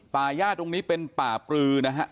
ป่าย่าตรงนี้เป็นป่าปลือนะฮะ